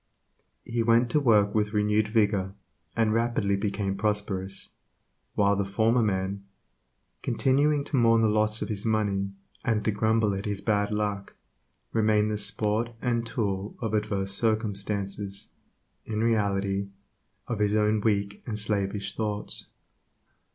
He went to work with renewed vigor, and rapidly became prosperous, while the former man, continuing to mourn the loss of his money, and to grumble at his ''bad luck," remained the sport and tool of adverse circumstances, in reality of his own weak and slavish thoughts.